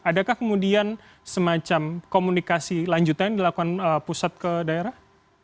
adakah kemudian semacam komunikasi lanjutan yang dilakukan pusat ke daerah